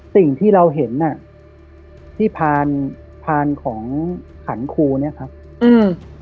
สิ่งที่เราเห็นอ่ะที่พานพานของขันครูเนี้ยครับอืม